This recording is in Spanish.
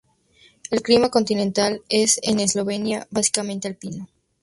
El clima continental es en Eslovenia básicamente alpino.